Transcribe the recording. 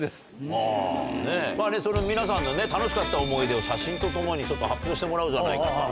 その皆さんのね楽しかった思い出を写真とともに発表してもらおうじゃないかと。